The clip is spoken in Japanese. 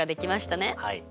はい。